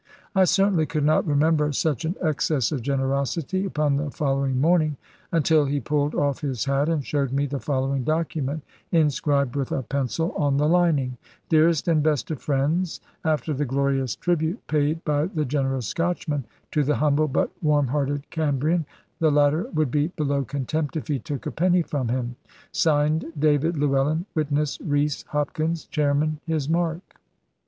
I certainly could not remember such an excess of generosity, upon the following morning; until he pulled off his hat and showed me the following document inscribed with a pencil on the lining: "Dearest and best of friends, After the glorious tribute paid by the generous Scotchman to the humble but warm hearted Cambrian, the latter would be below contempt if he took a penny from him. Signed DAVID LLEWELLYN; witness Rees Hopkins, chairman, his mark."